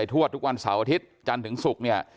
ทวดทุกวันเสาร์อาทิตย์จันทร์ถึงศุกร์เนี่ย